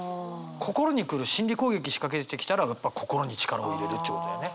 心に来る心理攻撃仕掛けてきたらやっぱ心に力を入れるっちゅうことだよね。